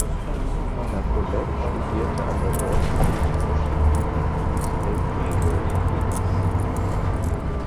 La Follette studierte an der dortigen Washington State University.